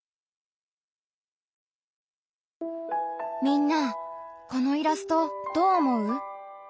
みんなこのイラストどう思う？